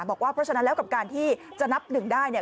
บอกว่าเพราะฉะนั้นแล้วกับการที่จะนับหนึ่งได้เนี่ย